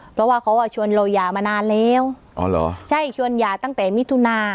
เพราะว่าเขาอ่ะชวนเราหย่ามานานแล้วอ๋อเหรอใช่ชวนหย่าตั้งแต่มิถุนา